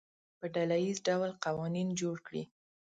په ډله ییز ډول قوانین جوړ کړي.